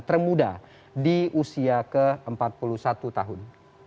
termuda di usia ke empat puluh satu tahun